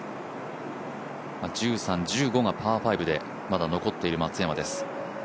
１３、１５がパー５でまだ残っている松山です。